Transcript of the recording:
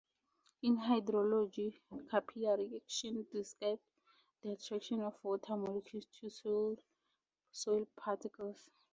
In hydrology, capillary action describes the attraction of water molecules to soil particles.